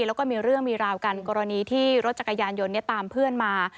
แล้วก็มีเรื่องมีราวกันกรณีที่รถจักรยานยนต์ตามเพื่อนมา